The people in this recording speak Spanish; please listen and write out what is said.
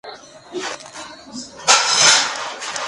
Originalmente, esta indumentaria estaba fabricada con tela de corteza.